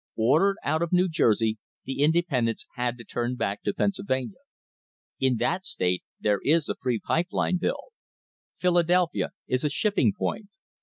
Ordered out of New Jer sey, the independents had to turn back to Pennsylvania. In that state there is a free pipe line bill. Philadelphia is a shipping point.